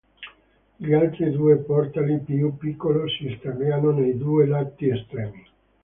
Gli altri due portali, più piccolo, si stagliano nei due lati estremi.